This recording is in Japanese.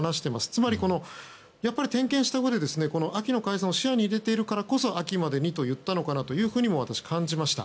つまり、点検したうえで秋の解散を視野に入れているからこそ秋までにと言ったのかなと私は感じました。